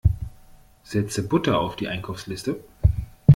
Setze Butter auf die Einkaufsliste!